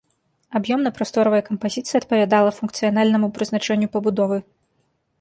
Аб'ёмна-прасторавая кампазіцыя адпавядала функцыянальнаму прызначэнню пабудовы.